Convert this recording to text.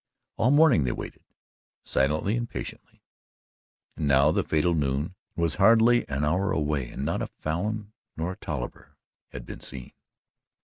All morning they waited silently and patiently, and now the fatal noon was hardly an hour away and not a Falin nor a Tolliver had been seen.